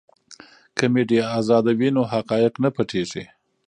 که میډیا ازاده وي نو حقایق نه پټیږي.